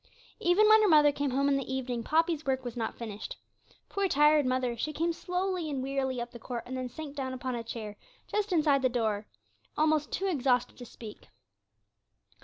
Even when her mother came home in the evening Poppy's work was not finished. Poor tired mother, she came slowly and wearily up the court, and then sank down upon a chair just inside the door, almost too exhausted to speak.